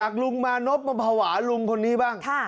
อักลุงมานบประหว่าลุงคนนี้บ้าง